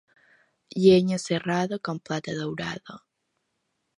Llenya serrada, com plata daurada.